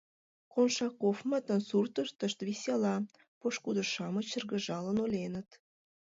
«Коншаковмытын суртыштышт весела» — пошкудо-шамыч шыргыжалын ойленыт.